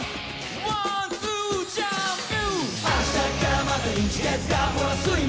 ワン、ツー、ジャンプ！